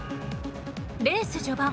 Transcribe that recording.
レース序盤